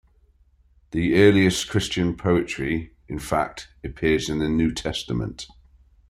The earliest Christian poetry, in fact, appears in the New Testament.